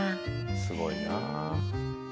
すごいなあ。